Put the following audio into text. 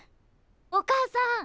お母さん！